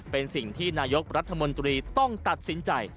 เป็นสิ่งที่นายกรัฐมนตรีต้องตัดสินใจ